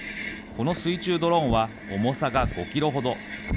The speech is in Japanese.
この水中ドローンは重さが５キロほど。